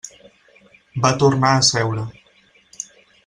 Va tornar a seure.